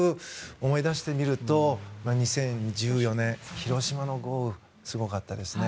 思い出してみると２０１４年広島の豪雨、すごかったですね。